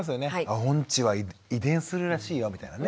音痴は遺伝するらしいよみたいなね。